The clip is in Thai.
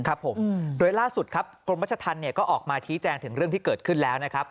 ครับผมโดยล่าสุดครับกรมรัชธรรมเนี่ยก็ออกมาชี้แจงถึงเรื่องที่เกิดขึ้นแล้วนะครับ